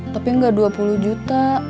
tapi nggak dua puluh juta